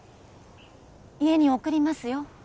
家に送りますよ